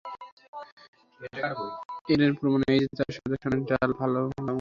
এর প্রমাণ এই যে, তার সাথে স্বর্ণের একটি ডালও দাফন করা হয়েছিল।